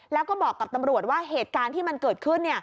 แล้วก็บอกกับตำรวจว่าเหตุการณ์ที่มันเกิดขึ้น